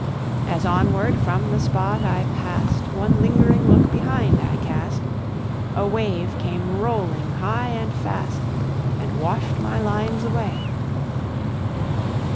As onward from the spot I passed, One lingering look behind I cast; A wave came rolling high and fast, And washed my lines away.